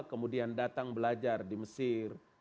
kemudian datang belajar di mesir